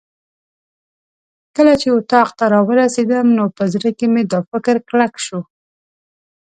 کله چې اتاق ته راورسېدم نو په زړه کې مې دا فکر کلک شو.